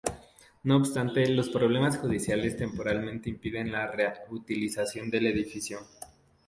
No obstante, los problemas judiciales temporalmente impiden la reutilización del edificio.